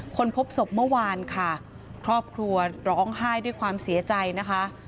พบศพเมื่อวานค่ะครอบครัวร้องไห้ด้วยความเสียใจนะคะ